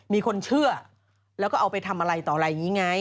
มีคนเชื่อแล้วก็เอาไปทำอะไรต่ออะไรอย่างนี้ไง